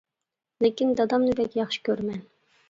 ».«. لېكىن دادامنى بەك ياخشى كۆرىمەن.